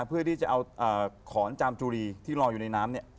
เพื่อที่จะเอาขอนจามจุรีที่รออยู่ในน้ำเนี่ย